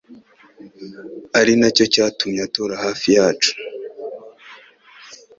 ari nacyo cyatumye atura hafi yacyo